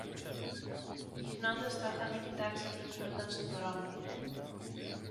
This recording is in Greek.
γυρνώντας τάχα να κοιτάξει τι γίνουνταν στο δρόμο